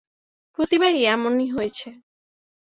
প্রতিবারই এমনি হয়েছে।